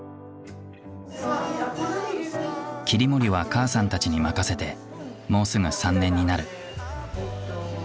切り盛りは母さんたちに任せてもうすぐ３年になる。